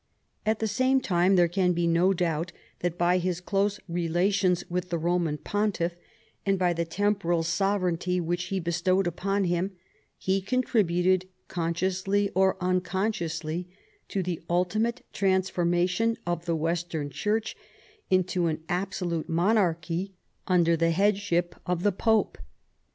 At the same time there can be no doubt that by his close relations with the Roman Pontiff and by the temporal sover eignty which he bestowed upon him, he contributed, consciously or unconsciously, to the ultimate trans formation of the western church into an absolute monarchy under the headship of the pope.